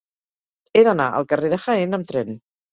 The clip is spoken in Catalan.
He d'anar al carrer de Jaén amb tren.